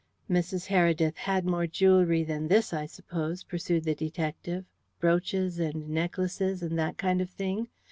"Mrs. Heredith had more jewellery than this, I suppose?" pursued the detective. "Brooches and necklaces, and that kind of thing.